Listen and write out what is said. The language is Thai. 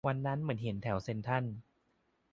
วันนั้นเหมือนเห็นแถวเซ็นทรัล